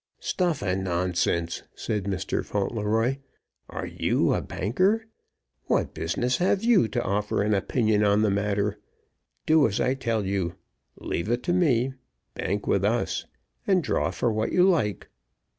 "Stuff and nonsense!" says Mr. Fauntleroy. "Are you a banker? What business have you to offer an opinion on the matter? Do as I tell you leave it to me bank with us and draw for what you like.